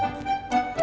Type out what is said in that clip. tunggu bentar ya kakak